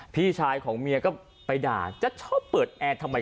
พี่ชายของเมียก็ไปด่าจะชอบเปิดแอร์ทำไม